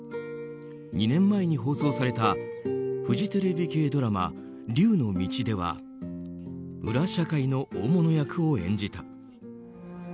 ２年前に放送されたフジテレビ系ドラマ「竜の道」では裏社会の大物役を演じた。